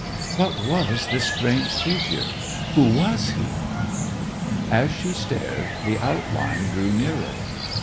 ] What was this strange figure? Who was he? As she stared, the outline drew nearer.